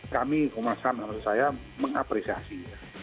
kami kumh menapresiasi